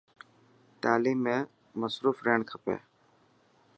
تعليم ۾ مصروف رهڻ کپي.